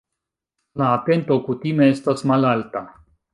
La atento kutime estas malalta.